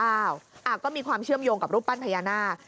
อย่างนั้นก็มีความเชื่อมโยงกับรูปปั้นแบบนั้น